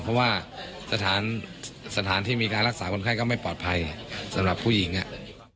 เพราะว่าสถานที่มีการรักษาคนไข้ก็ไม่ปลอดภัยสำหรับผู้หญิงอ่ะ